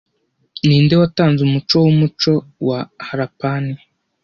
ninde watanze umuco wumuco wa Harappan